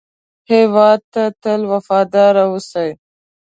هېواد ته تل وفاداره اوسئ